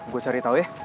gue cari tau ya